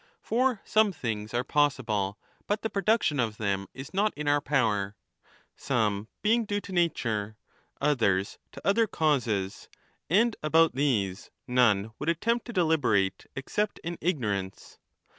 For some things are possible, but the production of them is not in our power, some being due to nature, others to other causes ; and about these none would attempt to deliberate except in 25 ignorance.